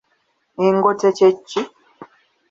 Engote kye ki?